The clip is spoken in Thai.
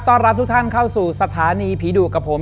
รับทุกท่านเข้าสู่สถานีผีดุกับผม